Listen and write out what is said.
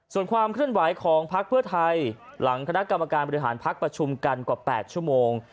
ส่วนความเคลื่อนไหวของพักเพื่อไทยหลังคณะกรรมการบริหารพักประชุมกันกว่า๘ชั่วโมง